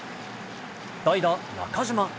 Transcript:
代打、中島。